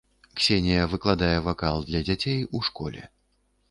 Ксенія выкладае вакал для дзяцей у школе.